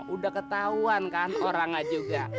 udah ketahuan kan orangnya juga